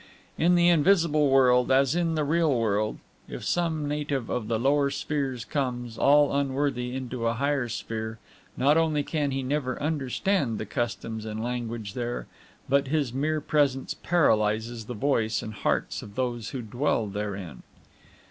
In the invisible world, as in the real world, if some native of the lower spheres comes, all unworthy, into a higher sphere, not only can he never understand the customs and language there, but his mere presence paralyzes the voice and hearts of those who dwell therein.